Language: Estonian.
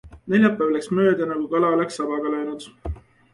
Neljapäev läks mööda nagu kala oleks sabaga löönud.